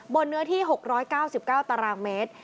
เนื้อที่๖๙๙ตารางเมตร